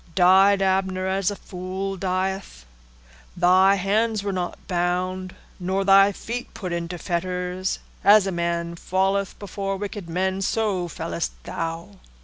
Died Abner as a fool dieth? Thy hands were not bound, nor thy feet put into fetters: as a man falleth before wicked men, so fellest thou.